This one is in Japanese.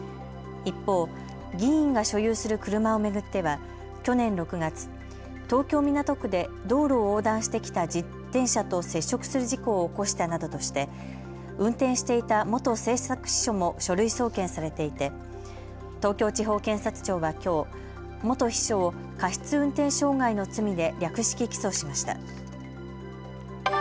一方、議員が所有する車を巡っては去年６月、東京港区で道路を横断してきた自転車と接触する事故を起こしたなどとして運転していた元政策秘書も書類送検されていて東京地方検察庁はきょう、元秘書を過失運転傷害の罪で略式起訴しました。